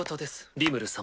リムル様。